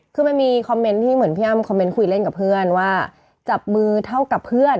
คือมันมีคอมเมนต์ที่เหมือนพี่อ้ำคอมเมนต์คุยเล่นกับเพื่อนว่าจับมือเท่ากับเพื่อน